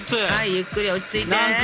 ゆっくり落ち着いて。